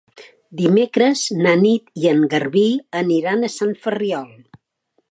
Dimecres na Nit i en Garbí aniran a Sant Ferriol.